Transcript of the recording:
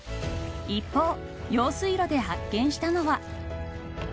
［一方用水路で発見したのは］